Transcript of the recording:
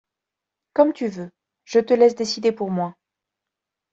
Comme tu veux, je te laisse décider pour moi.